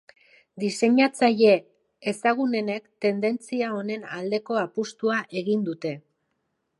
Diseinatzaile ezagunenek tendentzia honen aldeko apustua egin dute.